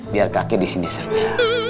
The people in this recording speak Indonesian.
biar kakek disini saja